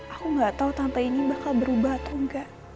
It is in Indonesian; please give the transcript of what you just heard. aku enggak tahu tante ini bakal berubah atau enggak